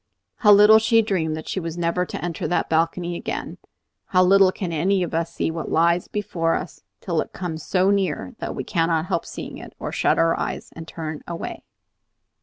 How little she dreamed that she was never to enter that balcony again! How little can any of us see what lies before us till it comes so near that we cannot help seeing it, or shut our eyes, or turn away!